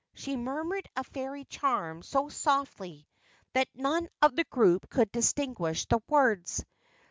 She murmured a fairy charm so softly that none of the group could distinguish the words.